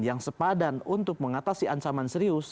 yang sepadan untuk mengatasi ancaman serius